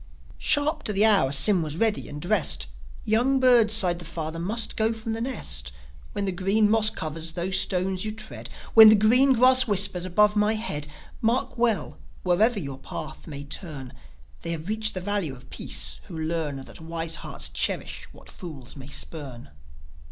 Sharp to the hour Sym was ready and dressed. "Young birds," sighed the father, "must go from the nest. When the green moss covers those stones you tread, When the green grass whispers above my head, Mark well, wherever your path may turn, They have reached the valley of peace who learn That wise hearts cherish what fools may spurn."